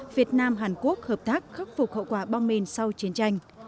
việt nam hàn quốc hợp tác khắc phục hậu quả bom mìn sau chiến tranh